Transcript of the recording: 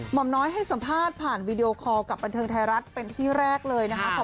่อมน้อยให้สัมภาษณ์ผ่านวีดีโอคอลกับบันเทิงไทยรัฐเป็นที่แรกเลยนะคะ